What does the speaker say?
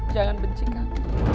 jangan benci kami